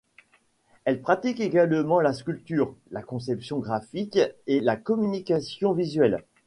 Elle pratique également la sculpture, la conception graphique et la communication visuelle.